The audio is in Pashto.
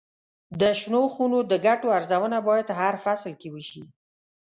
د شنو خونو د ګټو ارزونه باید هر فصل کې وشي.